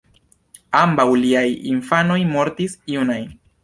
Ambaŭ liaj infanoj mortis junaj.